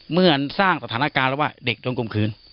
เมื่ออันสร้างสถานการณ์แล้วว่าเด็กโดนกลมขืน